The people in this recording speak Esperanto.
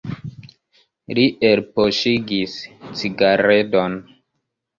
Li elpoŝigis cigaredon.